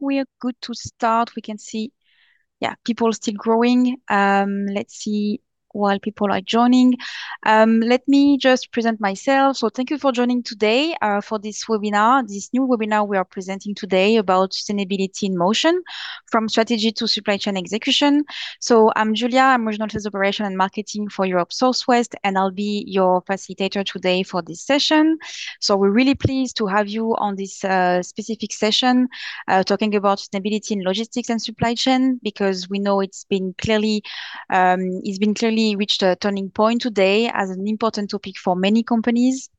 We are good to start. We can see, yeah, people still growing. Let's see while people are joining. Let me just present myself. Thank you for joining today for this webinar, this new webinar we are presenting today about Sustainability in Motion, From Strategy to Supply Chain Execution. I'm Julia. I'm Regional Head of Operation and Marketing for Europe Source West, and I'll be your facilitator today for this session. We're really pleased to have you on this specific session talking about sustainability in logistics and supply chain because we know it's been clearly reached a turning point today as an important topic for many companies.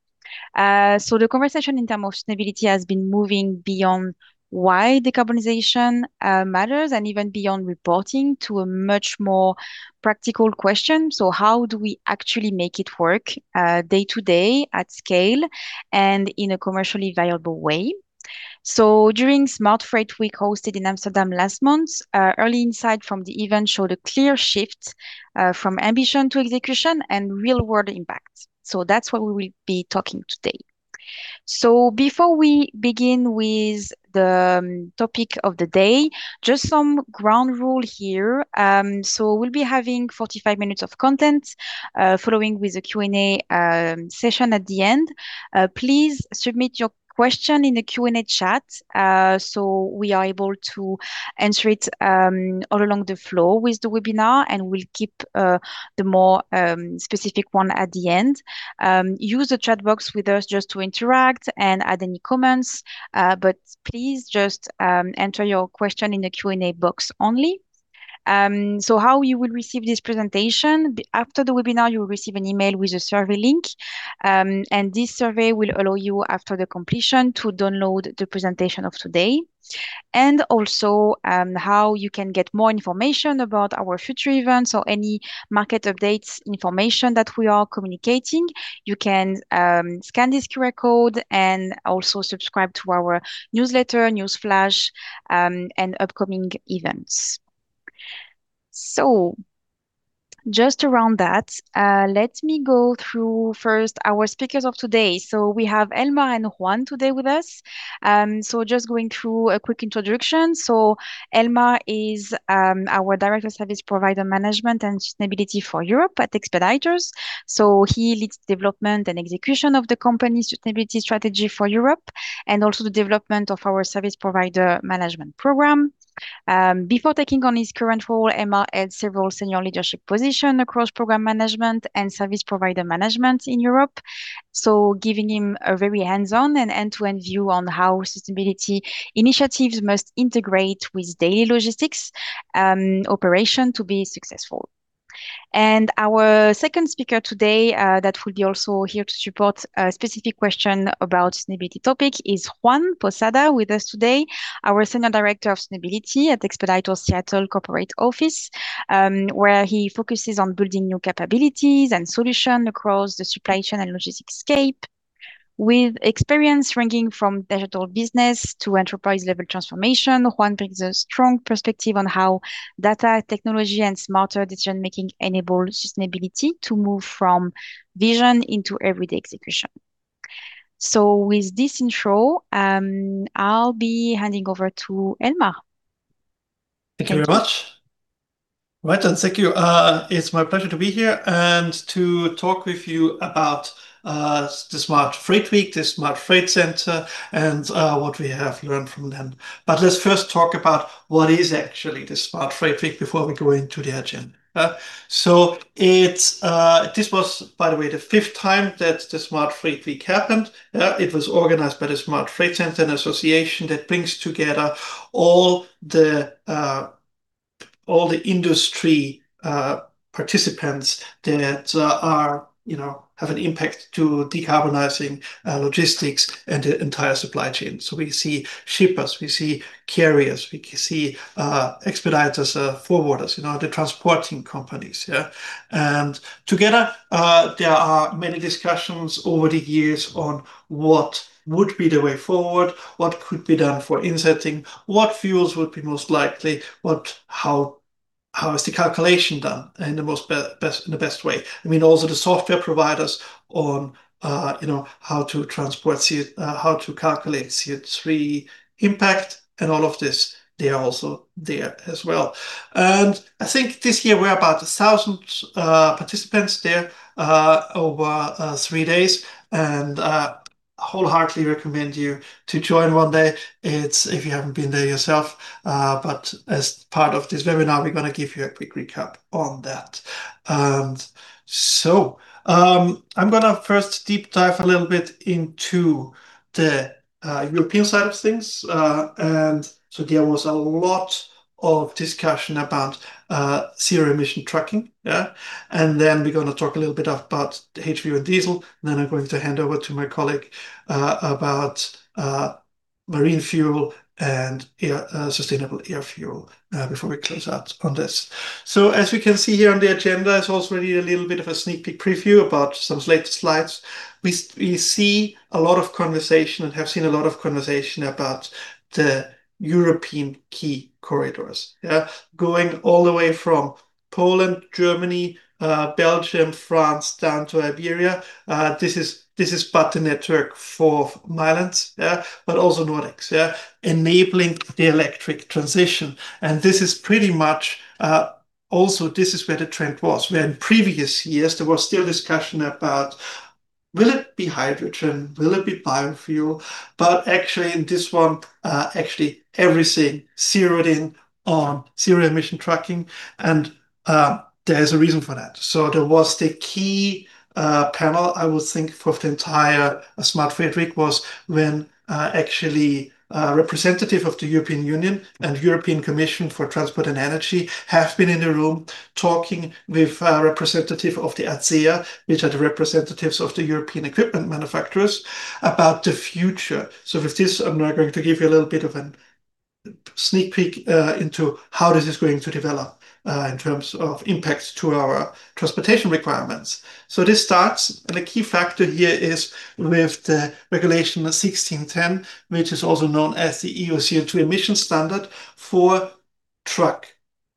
The conversation in terms of sustainability has been moving beyond why decarbonization matters and even beyond reporting to a much more practical question. How do we actually make it work day to day at scale and in a commercially viable way? During Smart Freight Week hosted in Amsterdam last month, early insight from the event showed a clear shift from ambition to execution and real world impact. That's what we will be talking today. Before we begin with the topic of the day, just some ground rule here. We'll be having 45 minutes of content, following with a Q&A session at the end. Please submit your question in the Q&A chat, we are able to answer it all along the floor with the webinar, and we'll keep the more specific one at the end. Use the chat box with us just to interact and add any comments, but please just enter your question in the Q&A box only. How you will receive this presentation. After the webinar, you'll receive an email with a survey link. This survey will allow you, after the completion, to download the presentation of today. How you can get more information about our future events or any market updates, information that we are communicating. You can scan this QR code and subscribe to our newsletter, news flash, and upcoming events. Let me go through first our speakers of today. We have Elmar and Juan today with us. Just going through a quick introduction. Elmar is our Director Service Provider Management and Sustainability for Europe at Expeditors. He leads development and execution of the company's sustainability strategy for Europe and also the development of our service provider management program. Before taking on his current role, Elmar had several senior leadership position across program management and service provider management in Europe, giving him a very hands-on and end-to-end view on how sustainability initiatives must integrate with daily logistics, operation to be successful. Our second speaker today, that will be also here to support a specific question about sustainability topic is Juan Posada with us today, our Senior Director of Sustainability at Expeditors Seattle corporate office, where he focuses on building new capabilities and solution across the supply chain and logistics scape. With experience ranging from digital business to enterprise level transformation, Juan brings a strong perspective on how data technology and smarter decision-making enables sustainability to move from vision into everyday execution. With this intro, I'll be handing over to Elmar. Thank you very much. Right. Thank you. It's my pleasure to be here and to talk with you about the Smart Freight Week, the Smart Freight Centre, and what we have learned from them. Let's first talk about what is actually the Smart Freight Week before we go into the agenda. It's, this was, by the way, the fifth time that the Smart Freight Week happened. It was organized by the Smart Freight Centre and Association that brings together all the, all the industry, participants that are, you know, have an impact to decarbonizing, logistics and the entire supply chain. We see shippers, we see carriers, we can see, Expeditors, forwarders, you know, the transporting companies. Together, there are many discussions over the years on what would be the way forward, what could be done for insetting, what fuels would be most likely, how is the calculation done in the best way. I mean, also the software providers on, you know, how to transport, how to calculate CO2 impact and all of this. They are also there as well. I think this year we're about 1,000 participants there over three days, and wholeheartedly recommend you to join one day. It's, if you haven't been there yourself, as part of this webinar, we're gonna give you a quick recap on that. I'm gonna first deep dive a little bit into the European side of things. There was a lot of discussion about zero emission trucking. We're going to talk a little bit about the HVO diesel. I'm going to hand over to my colleague about marine fuel and air, sustainable air fuel, before we close out on this. As we can see here on the agenda, it's also really a little bit of a sneak peek preview about some slides. We see a lot of conversation and have seen a lot of conversation about the European key corridors. Going all the way from Poland, Germany, Belgium, France, down to Iberia. This is part of the network for Milands. Also Nordics, enabling the electric transition. This is pretty much. Also, this is where the trend was, where in previous years there was still discussion about will it be hydrogen, will it be biofuel? Actually, in this one, actually everything zeroed in on zero emission trucking, and there's a reason for that. There was the key panel, I would think, for the entire Smart Freight Week was when actually a representative of the European Union and European Commission for Transport and Energy have been in the room talking with a representative of the ACEA, which are the representatives of the European equipment manufacturers, about the future. With this, I'm now going to give you a little bit of an sneak peek into how this is going to develop in terms of impacts to our transportation requirements. This starts, and a key factor here is with the Regulation 1610, which is also known as the EU CO2 emission standard for truck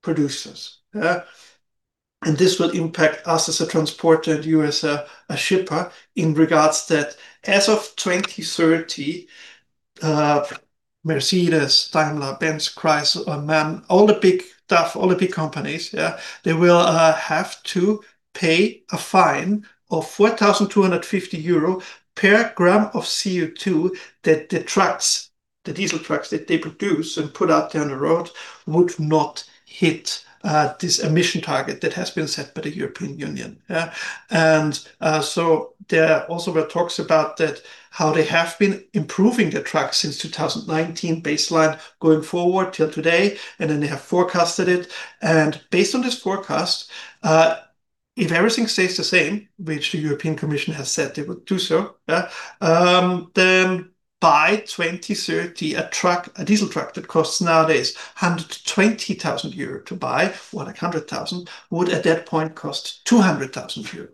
producers. This will impact us as a transporter and you as a shipper in regards that as of 2030, Mercedes-Benz, Daimler Truck, Benz, Chrysler, MAN SE, all the big stuff, all the big companies, they will have to pay a fine of 4,250 euro per gram of CO2 that the trucks, the diesel trucks that they produce and put out there on the road would not hit this emission target that has been set by the European Union. There also were talks about that, how they have been improving the trucks since 2019 baseline going forward till today, and then they have forecasted it. Based on this forecast, if everything stays the same, which the European Commission has said they would do so, then by 2030 a truck, a diesel truck that costs nowadays 120,000 euro to buy, or like 100,000, would at that point cost 200,000 euro.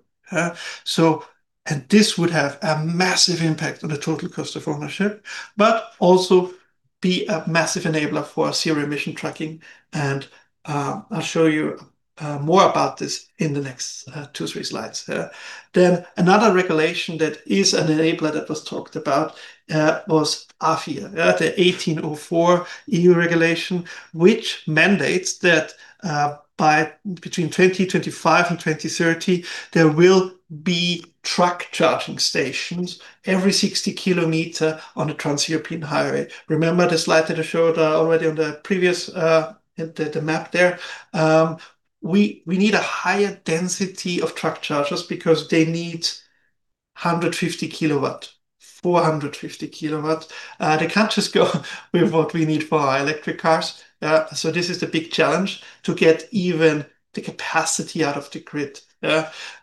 This would have a massive impact on the total cost of ownership, but also be a massive enabler for zero emission trucking, and I'll show you more about this in the next two, three slides. Another regulation that is an enabler that was talked about was AFIR, the 1804 EU regulation, which mandates that between 2025 and 2030 there will be truck charging stations every 60 km on a trans-European highway. Remember the slide that I showed already on the previous, the map there? We need a higher density of truck chargers because they need 150 kW, 450 kW. They can't just go with what we need for our electric cars. This is the big challenge to get even the capacity out of the grid.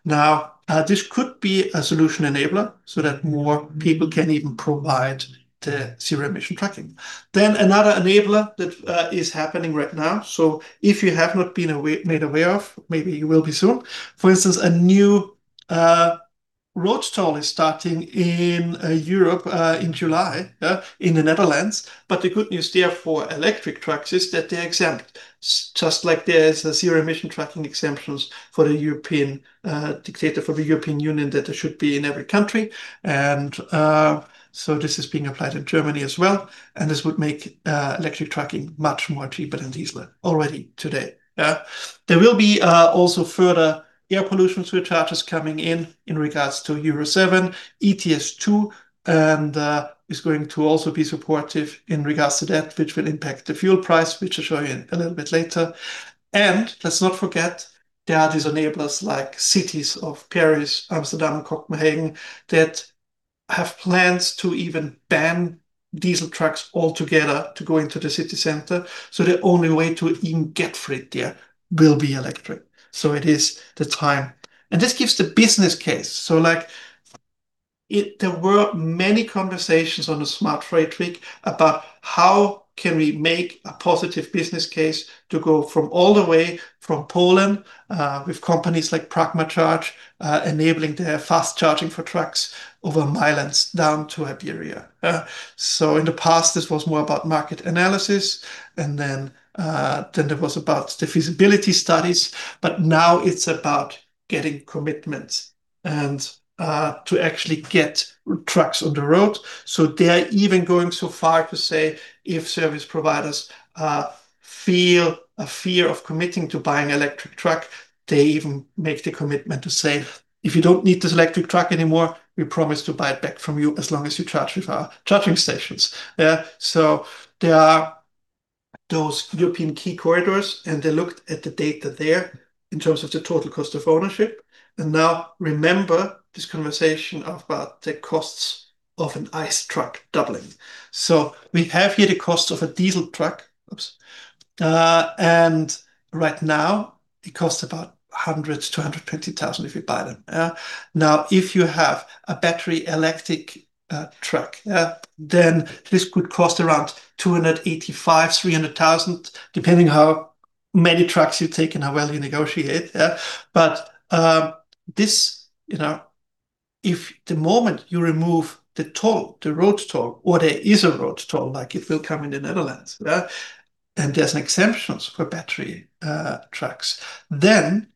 Now, this could be a solution enabler so that more people can even provide the zero emission trucking. Another enabler that is happening right now, so if you have not been aware, made aware of, maybe you will be soon. For instance, a new road toll is starting in Europe in July in the Netherlands. The good news there for electric trucks is that they're exempt. Just like there's a zero emission trucking exemptions for the European dictated for the European Union that there should be in every country, this is being applied in Germany as well. This would make electric trucking much more cheaper than diesel already today. There will be also further air pollution surcharges coming in in regards to Euro 7. ETS2 is going to also be supportive in regards to that, which will impact the fuel price, which I'll show you a little bit later. Let's not forget there are these enablers like cities of Paris, Amsterdam, Copenhagen, that have plans to even ban diesel trucks altogether to go into the city center. The only way to even get freight there will be electric. It is the time. This gives the business case. Like, there were many conversations on the Smart Freight Week about how can we make a positive business case to go from all the way from Poland, with companies like PragmaCharge, enabling the fast charging for trucks over Midlands down to Iberia. In the past this was more about market analysis, and then there was about the feasibility studies, now it's about getting commitments and to actually get trucks on the road. They are even going so far to say if service providers feel a fear of committing to buying electric truck, they even make the commitment to say, "If you don't need this electric truck anymore, we promise to buy it back from you as long as you charge with our charging stations." Yeah. There are those European key corridors, they looked at the data there in terms of the total cost of ownership. Now remember this conversation about the costs of an ICE truck doubling. We have here the cost of a diesel truck. Oops. Right now it costs about $100,000-$120,000 if you buy them. Yeah. Now, if you have a battery electric truck, yeah, then this could cost around $285,000-$300,000, depending how many trucks you take and how well you negotiate. Yeah. This, you know, if the moment you remove the toll, the road toll, or there is a road toll like it will come in the Netherlands, yeah, and there's exemptions for battery trucks, then.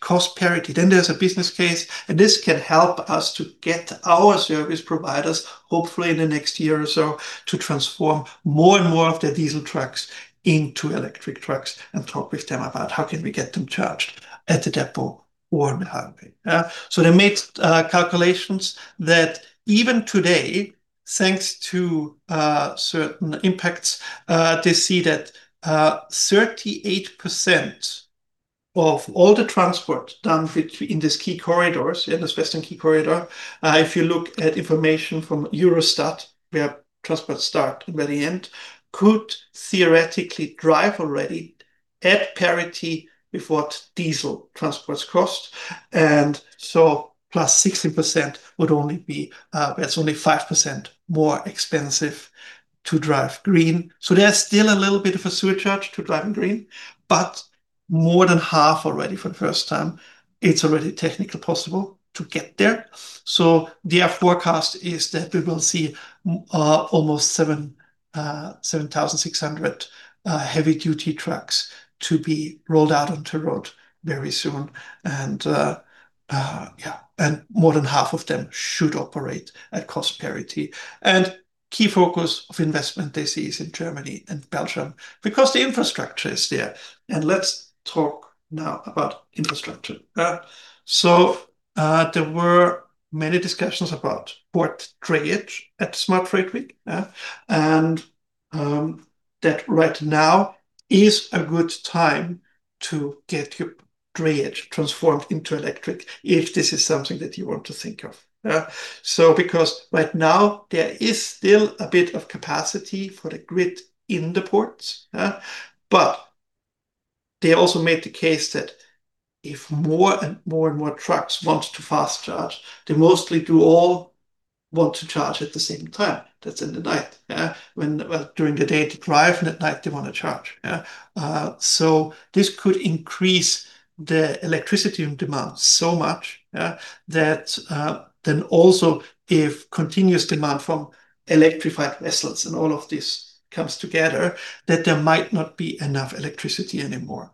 Cost parity. There's a business case, and this can help us to get our service providers, hopefully in the next year or so, to transform more and more of their diesel trucks into electric trucks, and talk with them about how can we get them charged at the depot or on the highway. They made calculations that even today, thanks to certain impacts, they see that 38% of all the transport done in these key corridors, yeah, this Western key corridor, if you look at information from Eurostat where transport start and where they end, could theoretically drive already at parity with what diesel transports cost. It's only five percent more expensive to drive green. There's still a little bit of a surcharge to driving green, but more than half already for the first time, it's already technically possible to get there. Their forecast is that we will see almost 7,600 heavy-duty trucks to be rolled out onto road very soon. More than half of them should operate at cost parity. Key focus of investment they see is in Germany and Belgium because the infrastructure is there. Let's talk now about infrastructure. There were many discussions about port drayage at Smart Freight Week. That right now is a good time to get your drayage transformed into electric if this is something that you want to think of. Because right now there is still a bit of capacity for the grid in the ports, but they also made the case that if more and more and more trucks want to fast charge, they mostly do all want to charge at the same time. That's in the night, yeah. When, well, during the day they drive and at night they wanna charge. This could increase the electricity demand so much that then also if continuous demand from electrified vessels and all of this comes together, that there might not be enough electricity anymore.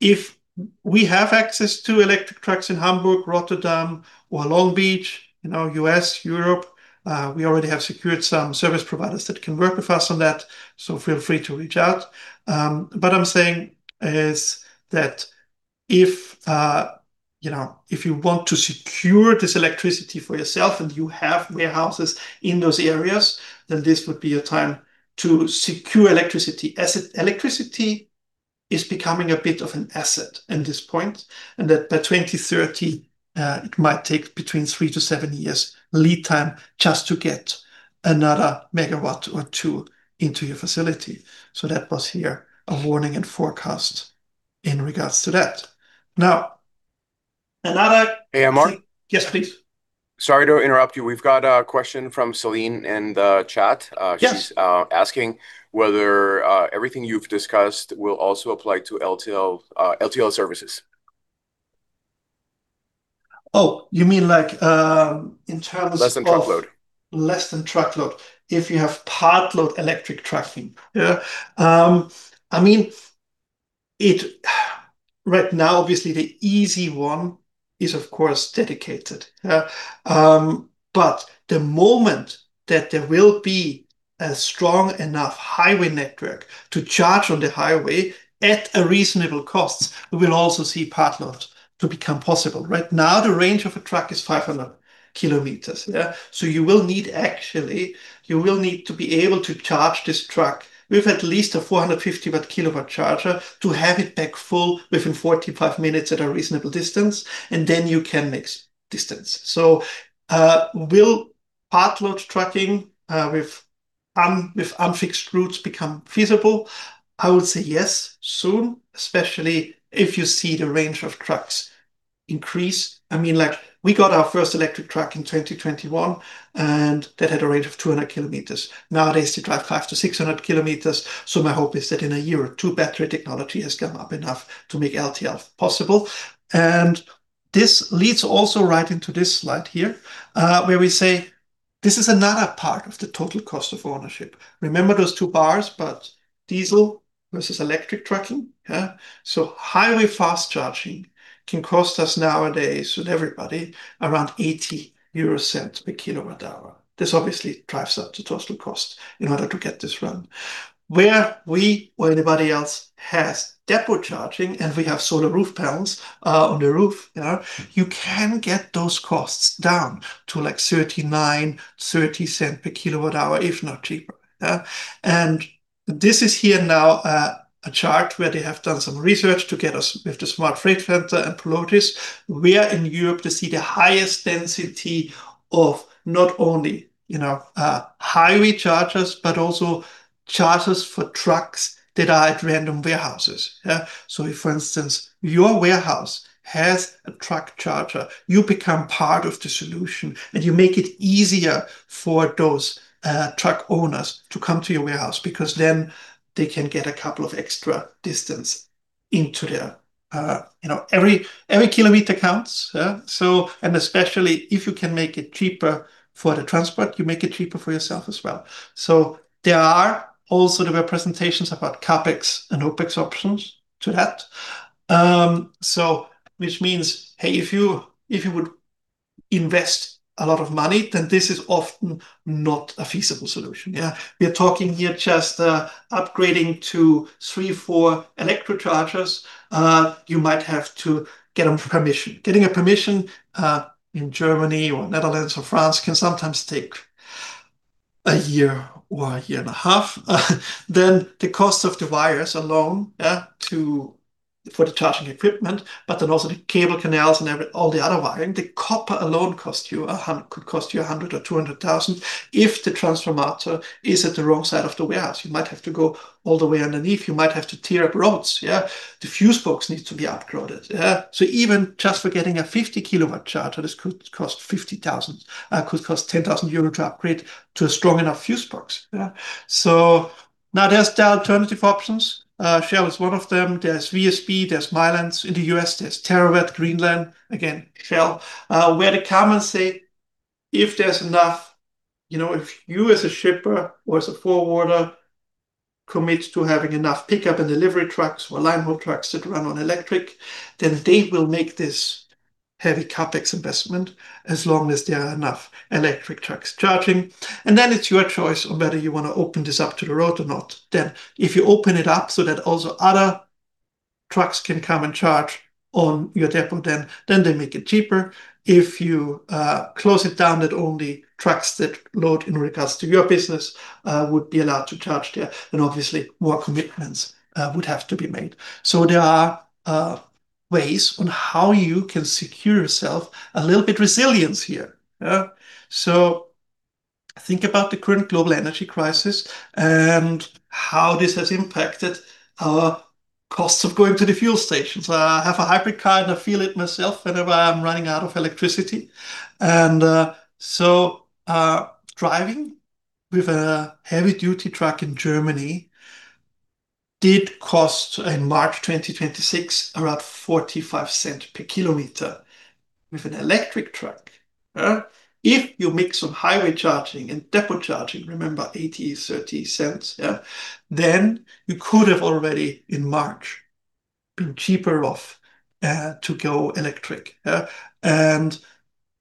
If we have access to electric trucks in Hamburg, Rotterdam, or Long Beach in our U.S., Europe, we already have secured some service providers that can work with us on that, so feel free to reach out. I'm saying is that if, you know, if you want to secure this electricity for yourself and you have warehouses in those areas, then this would be a time to secure electricity. Electricity is becoming a bit of an asset at this point, and that by 2030, it might take between three or seven years lead time just to get another megawatt or two into your facility. That was here a warning and forecast in regards to that. Hey, Elmar? Yes, please. Sorry to interrupt you. We've got a question from Celine in the chat. Yes she's asking whether everything you've discussed will also apply to LTL services. Oh, you mean like, in terms of? Less than truckload Less than truckload. If you have part load electric trucking. Yeah. I mean, right now, obviously the easy one is, of course, dedicated. The moment that there will be a strong enough highway network to charge on the highway at a reasonable cost, we'll also see part loads to become possible. Right now the range of a truck is 500 km, yeah? You will need, actually, you will need to be able to charge this truck with at least a 450 kilowatt charger to have it back full within 45 minutes at a reasonable distance, and then you can mix distance. Will part load trucking with unfixed routes become feasible? I would say yes, soon, especially if you see the range of trucks increase. I mean, like, we got our first electric truck in 2021. That had a range of 200 km. Nowadays they drive 500-600 km. My hope is that in one or two battery technology has come up enough to make LTL possible. This leads also right into this slide here, where we say this is another part of the total cost of ownership. Remember those two bars, diesel versus electric trucking, yeah? Highway fast charging can cost us nowadays with everybody around 0.80 per kWh. This obviously drives up the total cost in order to get this run. Where we or anybody else has depot charging and we have solar roof panels on the roof, you know, you can get those costs down to, like, 0.39, 0.30 per kWh, if not cheaper. This is here now, a chart where they have done some research together with the Smart Freight Centre and Pelotis, where in Europe they see the highest density of not only, you know, highway chargers, but also chargers for trucks that are at random warehouses. Yeah. If, for instance, your warehouse has a truck charger, you become part of the solution, and you make it easier for those truck owners to come to your warehouse, because then they can get a couple of extra distance into their. You know, every kilometer counts. Especially if you can make it cheaper for the transport, you make it cheaper for yourself as well. There are also the representations about CapEx and OpEx options to that. Which means, hey, if you, if you invest a lot of money, then this is often not a feasible solution, yeah? We are talking here just upgrading to three, four electric chargers. You might have to get a permission. Getting a permission in Germany or Netherlands or France can sometimes take one year or one year and a half. The cost of the wires alone, yeah, to, for the charging equipment, but also the cable canals and every, all the other wiring. The copper alone could cost you $100,000 or $200,000 if the transformer is at the wrong side of the warehouse. You might have to go all the way underneath. You might have to tear up roads, yeah? The fuse box needs to be upgraded, yeah? Even just for getting a 50-kilowatt charger, this could cost $50,000, could cost 10,000 euro to upgrade to a strong enough fuse box. Now there's the alternative options. Shell is one of them. There's VSP, there's Milands. In the U.S., there's TerraWatt, Greenland. Again, Shell. Where they come and say, "If there's enough, you know, if you as a shipper or as a forwarder commit to having enough pickup and delivery trucks or line haul trucks that run on electric, they will make this heavy CapEx investment as long as there are enough electric trucks charging." It's your choice on whether you wanna open this up to the road or not. If you open it up so that also other trucks can come and charge on your depot, then they make it cheaper. If you close it down, that only trucks that load in regards to your business would be allowed to charge there, then obviously more commitments would have to be made. There are ways on how you can secure yourself a little bit resilience here. Think about the current global energy crisis and how this has impacted our costs of going to the fuel stations. I have a hybrid car, and I feel it myself whenever I am running out of electricity. Driving with a heavy duty truck in Germany did cost, in March 2026, around $0.45 per kilometer. With an electric truck, yeah, if you make some highway charging and depot charging, remember $0.80, $0.30, yeah, then you could have already, in March, been cheaper off to go electric.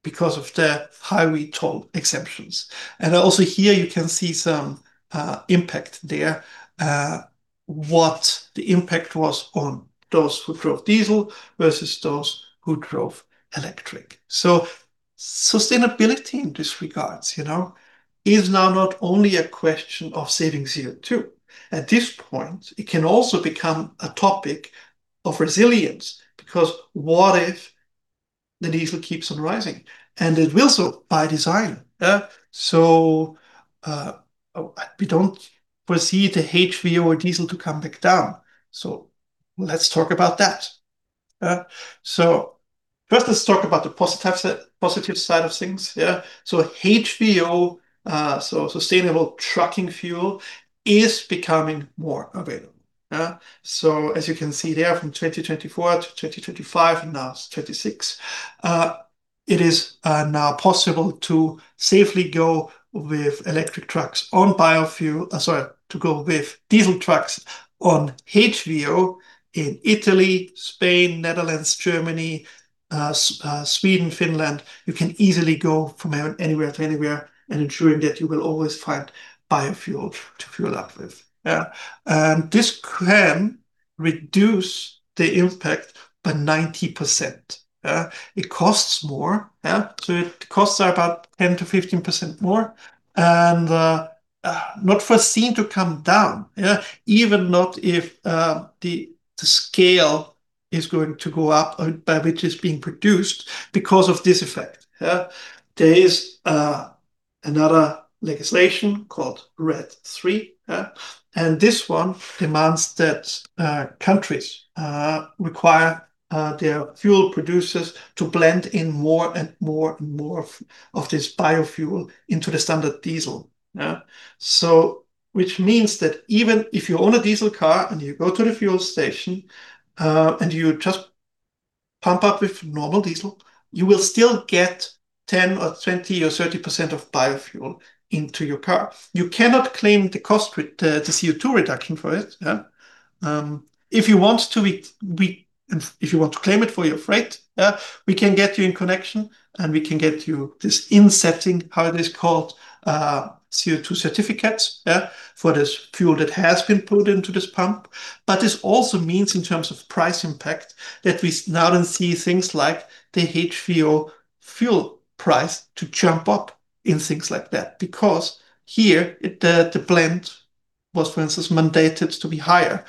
Because of the highway toll exemptions. Also here you can see some impact there. What the impact was on those who drove diesel versus those who drove electric. Sustainability in these regards, you know, is now not only a question of saving CO2. At this point it can also become a topic of resilience, because what if the diesel keeps on rising? It will so by design. We don't foresee the HVO diesel to come back down, so let's talk about that. First let's talk about the positive side of things. Yeah? HVO, so sustainable trucking fuel, is becoming more available. So as you can see there, from 2024 to 2025, and now it's 2026, it is now possible to safely go with electric trucks on biofuel sorry, to go with diesel trucks on HVO in Italy, Spain, Netherlands, Germany, Sweden, Finland. You can easily go from anywhere to anywhere and ensuring that you will always find biofuel to fuel up with. This can reduce the impact by 90%. It costs more. It costs about 10%-15% more and not foreseen to come down. Even not if the scale is going to go up by which is being produced because of this effect. There is another legislation called RED III. This one demands that countries require their fuel producers to blend in more and more of this biofuel into the standard diesel. Which means that even if you own a diesel car and you go to the fuel station, and you just pump up with normal diesel, you will still get 10% or 20% or 30% of biofuel into your car. You cannot claim the cost with the CO2 reduction for it. Yeah. If you want to claim it for your freight, yeah, we can get you in connection, we can get you this insetting, how it is called, CO2 certificates, yeah, for this fuel that has been put into this pump. This also means in terms of price impact, that we now don't see things like the HVO fuel price to jump up in things like that. Because here, the blend was, for instance, mandated to be higher.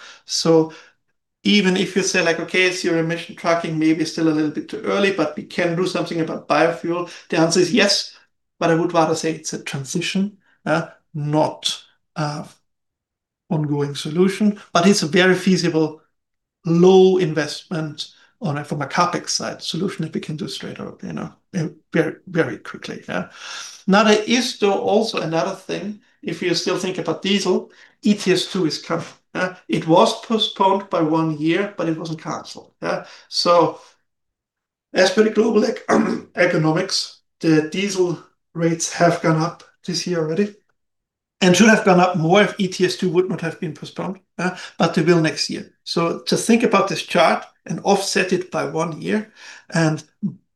Even if you say like, "Okay, is your zero emission trucking maybe still a little bit too early, but we can do something about biofuel?" The answer is yes, but I would rather say it's a transition, not a ongoing solution. It's a very feasible low investment on a, from a CapEx side solution that we can do straight away. You know, very, very quickly. Yeah. Now, there is though also another thing if you still think about diesel, ETS2 is coming. It was postponed by one year, but it wasn't canceled. Yeah. As per the global e- economics, the diesel rates have gone up this year already. Should have gone up more if ETS2 would not have been postponed, but they will next year. Just think about this chart and offset it by one year,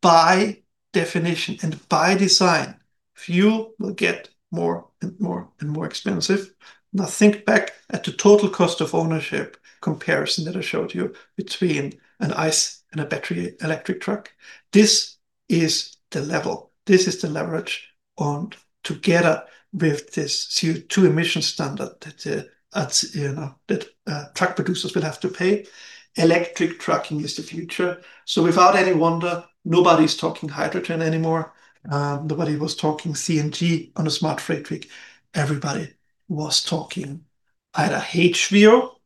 by definition and by design, fuel will get more and more and more expensive. Now, think back at the total cost of ownership comparison that I showed you between an ICE and a battery electric truck. This is the level, this is the leverage on together with this CO2 emission standard that, you know, truck producers will have to pay. Electric trucking is the future. Without any wonder, nobody's talking hydrogen anymore. Nobody was talking CNG on a Smart Freight Week. Everybody was talking either HVO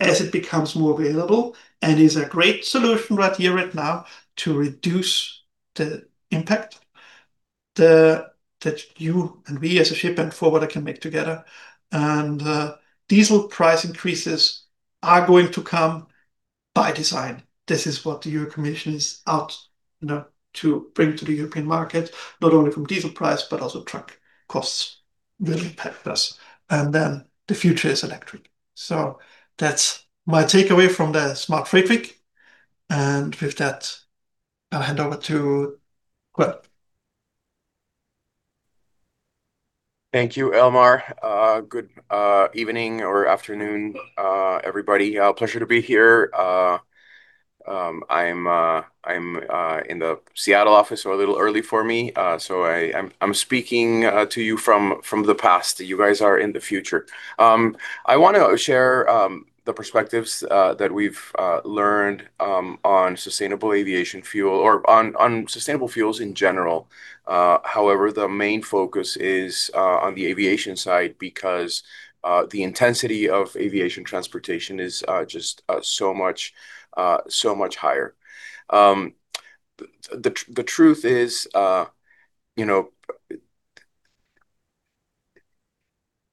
as it becomes more available and is a great solution right here, right now to reduce the impact the that you and me as a shipper and forwarder can make together. Diesel price increases are going to come by design. This is what the Euro Commission is out, you know, to bring to the European market, not only from diesel price, but also truck costs will impact us. The future is electric. That's my takeaway from the Smart Freight Week. With that, I'll hand over to Juan. Thank you, Elmar. Good evening or afternoon, everybody. Pleasure to be here. I'm in the Seattle office, so a little early for me. I'm speaking to you from the past. You guys are in the future. I wanna share the perspectives that we've learned on sustainable aviation fuel or on sustainable fuels in general. However, the main focus is on the aviation side because the intensity of aviation transportation is just so much so much higher. The truth is, you know,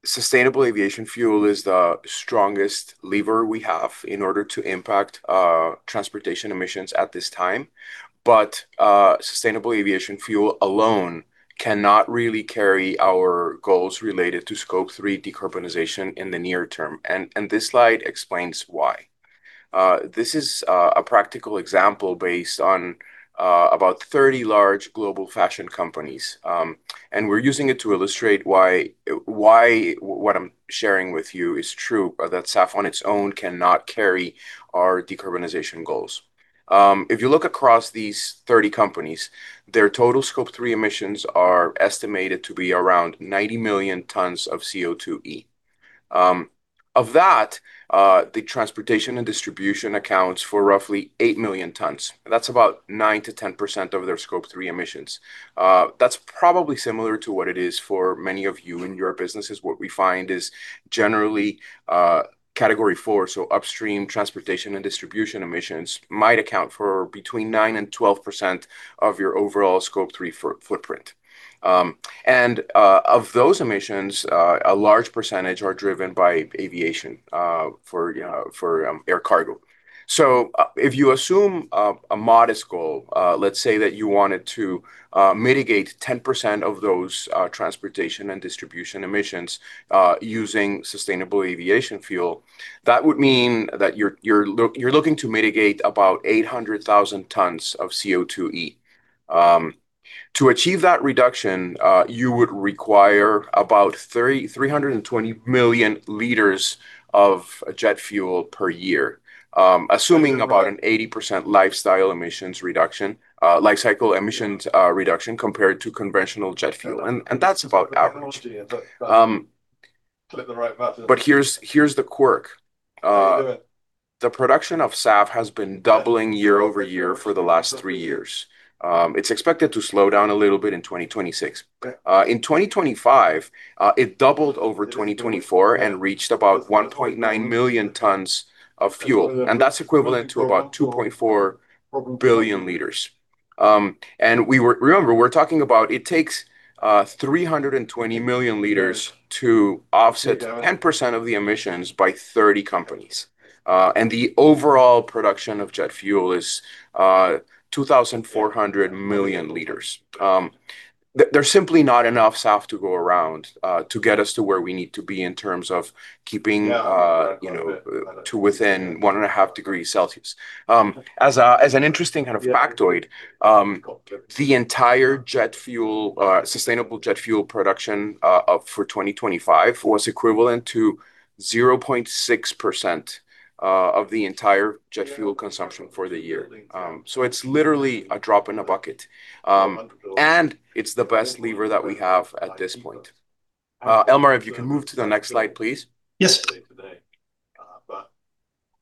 sustainable aviation fuel is the strongest lever we have in order to impact transportation emissions at this time. Sustainable aviation fuel alone cannot really carry our goals related to Scope 3 decarbonization in the near term. This slide explains why. This is a practical example based on about 30 large global fashion companies. We're using it to illustrate why what I'm sharing with you is true, that SAF on its own cannot carry our decarbonization goals. If you look across these 30 companies, their total Scope 3 emissions are estimated to be around 90 million tons of CO2E. Of that, the transportation and distribution accounts for roughly 8 million tons. That's about nine to 10% of their Scope 3 emissions. That's probably similar to what it is for many of you in your businesses. What we find is generally, category four, so upstream transportation and distribution emissions might account for between nine and 12% of your overall Scope 3 footprint. Of those emissions, a large percentage are driven by aviation for air cargo. If you assume a modest goal, let's say that you wanted to mitigate 10% of those transportation and distribution emissions using sustainable aviation fuel, that would mean that you're looking to mitigate about 800,000 tons of CO2E. To achieve that reduction, you would require about 320 million liters of jet fuel per year, assuming about an 80% lifestyle emissions reduction, life cycle emissions reduction compared to conventional jet fuel. That's about average. Click the right button. Here's the quirk. Do it. The production of SAF has been doubling year over year for the last three years. It's expected to slow down a little bit in 2026. In 2025, it doubled over 2024 and reached about 1.9 million tons of fuel, and that's equivalent to about 2.4 billion liters. We remember, we're talking about it takes 320 million liters to offset 10% of the emissions by 30 companies. The overall production of jet fuel is 2,400 million liters. There's simply not enough SAF to go around to get us to where we need to be in terms of keeping, you know, to within one and a half degree Celsius. As an interesting kind of factoid, the entire jet fuel, sustainable jet fuel production, for 2025 was equivalent to zero point six percent of the entire jet fuel consumption for the year. It's literally a drop in a bucket. It's the best lever that we have at this point. Elmar, if you can move to the next slide, please. Yes.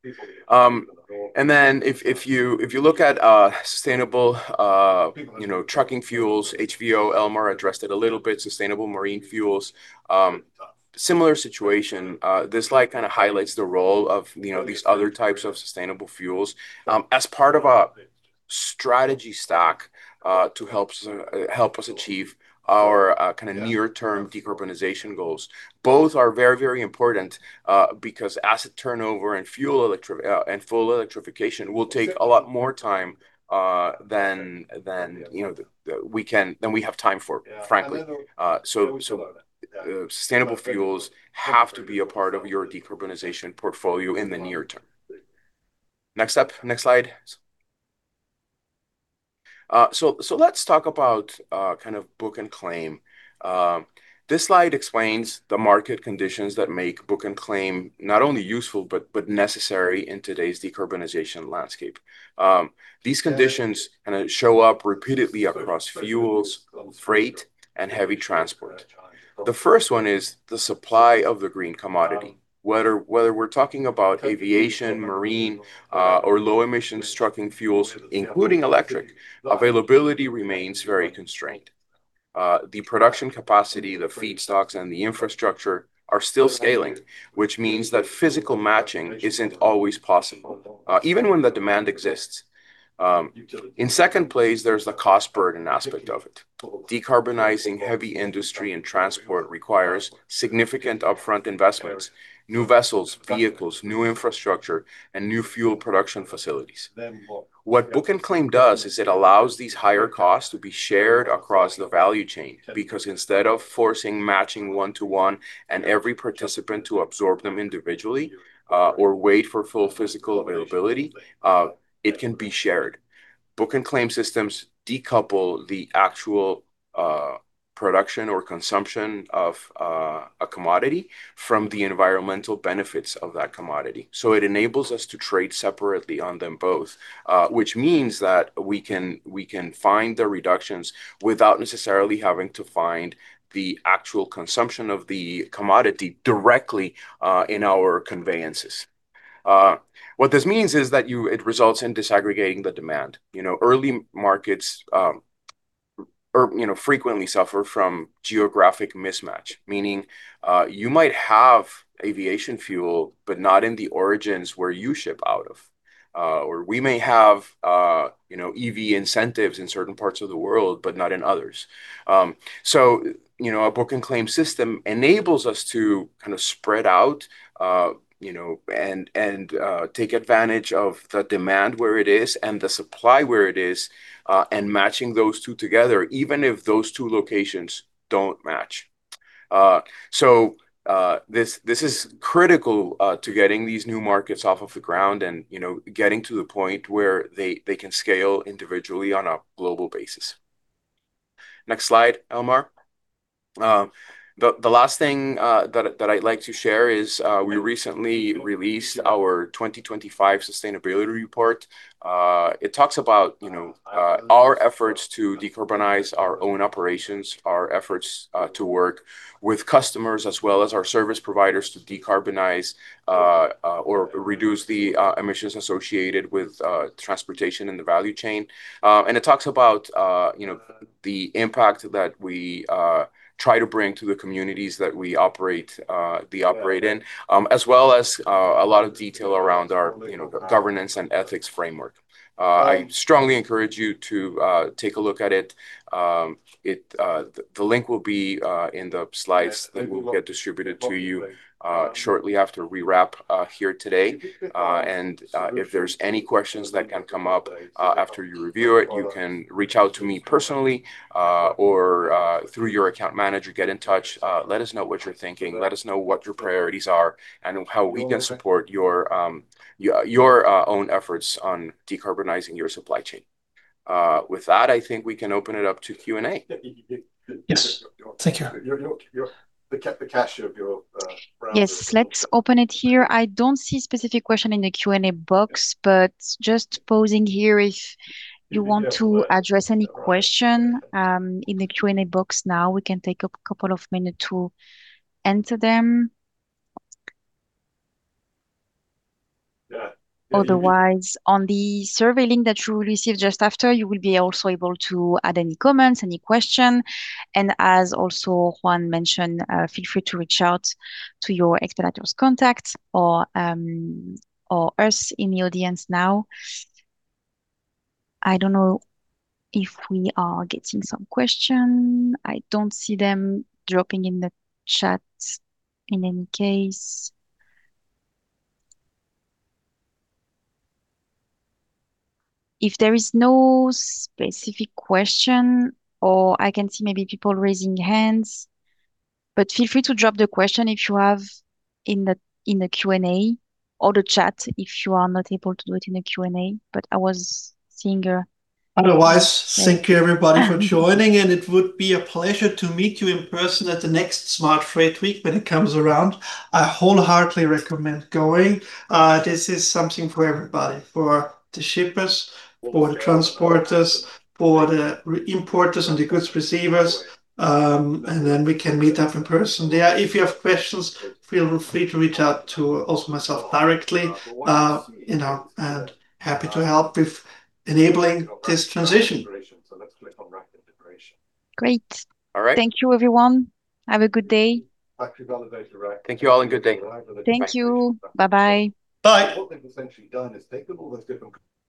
If you look at sustainable, you know, trucking fuels, HVO, Elmar addressed it a little bit, sustainable marine fuels, similar situation. This slide kind of highlights the role of, you know, these other types of sustainable fuels, as part of a strategy stack, to help us achieve our kind of near term decarbonization goals. Both are very, very important, because asset turnover and full electrification will take a lot more time than, you know, we can, than we have time for, frankly. Sustainable fuels have to be a part of your decarbonization portfolio in the near term. Next up, next slide. Let's talk about kind of book and claim. This slide explains the market conditions that make book and claim not only useful but necessary in today's decarbonization landscape. These conditions kind of show up repeatedly across fuels, freight, and heavy transport. The first one is the supply of the green commodity. Whether we're talking about aviation, marine, or low emission trucking fuels, including electric, availability remains very constrained. The production capacity, the feedstocks, and the infrastructure are still scaling, which means that physical matching isn't always possible, even when the demand exists. In second place, there's the cost burden aspect of it. Decarbonizing heavy industry and transport requires significant upfront investments, new vessels, vehicles, new infrastructure, and new fuel production facilities. What book and claim does is it allows these higher costs to be shared across the value chain, because instead of forcing matching one-to-one and every participant to absorb them individually, or wait for full physical availability, it can be shared. Book and claim systems decouple the actual production or consumption of a commodity from the environmental benefits of that commodity. It enables us to trade separately on them both, which means that we can, we can find the reductions without necessarily having to find the actual consumption of the commodity directly, in our conveyances. What this means is that it results in disaggregating the demand. You know, early markets, or, you know, frequently suffer from geographic mismatch, meaning, you might have aviation fuel, but not in the origins where you ship out of. Or we may have, you know, EV incentives in certain parts of the world, but not in others. You know, a book and claim system enables us to kind of spread out, you know, and take advantage of the demand where it is and the supply where it is, and matching those two together, even if those two locations don't match. This is critical to getting these new markets off of the ground and, you know, getting to the point where they can scale individually on a global basis. Next slide, Elmar. The last thing that I'd like to share is, we recently released our 2025 sustainability report. It talks about, you know, our efforts to decarbonize our own operations, our efforts to work with customers as well as our service providers to decarbonize or reduce the emissions associated with transportation and the value chain. It talks about, you know, the impact that we try to bring to the communities that we operate, we operate in, as well as a lot of detail around our, you know, governance and ethics framework. I strongly encourage you to take a look at it. It, the link will be in the slides that will get distributed to you shortly after we wrap here today. If there's any questions that can come up, after you review it, you can reach out to me personally, or through your account manager. Get in touch. Let us know what you're thinking. Let us know what your priorities are and how we can support your, your own efforts on decarbonizing your supply chain. With that, I think we can open it up to Q&A. Yes. Thank you. Yes. Let's open it here. I don't see specific question in the Q&A box, but just posing here if you want to address any question, in the Q&A box now, we can take a couple of minute to answer them. Yeah. Otherwise, on the survey link that you will receive just after, you will be also able to add any comments, any question. As also Juan mentioned, feel free to reach out to your Expeditors contact or us in the audience now. I don't know if we are getting some question. I don't see them dropping in the chat in any case. If there is no specific question or I can see maybe people raising hands, but feel free to drop the question if you have in the Q&A or the chat if you are not able to do it in the Q&A. Otherwise, thank you everybody for joining, and it would be a pleasure to meet you in person at the next Smart Freight Week when it comes around. I wholeheartedly recommend going. This is something for everybody, for the shippers, for the transporters, for the importers and the goods receivers. Then we can meet up in person there. If you have questions, feel free to reach out to also myself directly, you know, and happy to help with enabling this transition. Great. All right. Thank you everyone. Have a good day. Thank you all, and good day. Thank you. Bye-bye. Bye. What they've essentially done is taken all those different.